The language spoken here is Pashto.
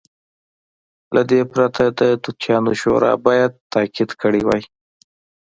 له دې پرته د دوکیانو شورا باید تایید کړی وای.